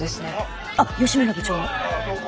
あっ吉村部長も！